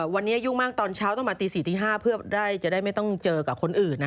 วันนี้ยุ่งมากตอนเช้าต้องมาตี๔ตี๕เพื่อจะได้ไม่ต้องเจอกับคนอื่น